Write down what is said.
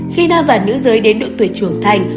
khi na và nữ giới đến độ tuổi trưởng thành